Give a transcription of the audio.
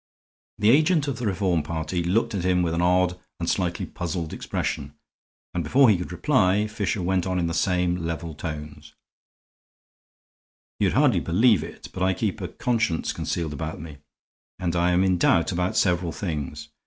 The agent of the Reform party looked at him with an odd and slightly puzzled expression, and before he could reply, Fisher went on in the same level tones: "You'd hardly believe it, but I keep a conscience concealed about me; and I am in doubt about several things.